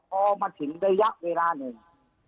พอมาถึงระยะเวลาหนึ่ง